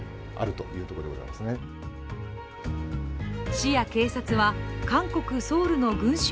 市や警察は韓国ソウルの群集